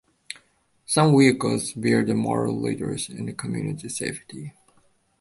Some vehicles bear the motto Leaders in Community Safety.